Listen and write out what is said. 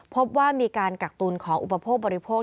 พบว่ามีการกักตุลของอุปโภคบริโภค